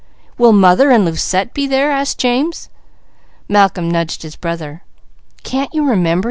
"Will mother and Lucette be there?" asked James. Malcolm nudged his brother. "Can't you remember?"